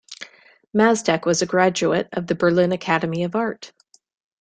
Matzek was a graduate of the Berlin Academy of Art.